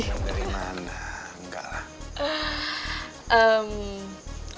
gimana enggak lah